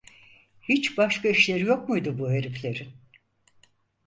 Hiç başka işleri yok muydu bu heriflerin?